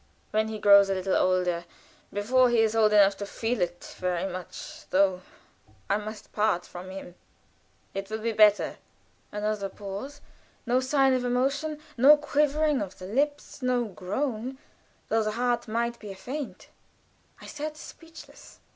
"When he grows a little older before he is old enough to feel it very much, though, I must part from him. It will be better." Another pause. No sign of emotion, no quiver of the lips, no groan, though the heart might be afaint. I sat speechless.